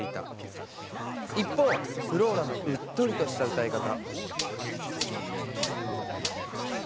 一方フローラのうっとりとした歌い方。